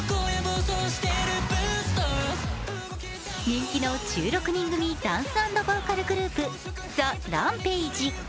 人気の１６人組ダンス＆ボーカルグループ、ＴＨＥＲＡＭＰＡＧＥ。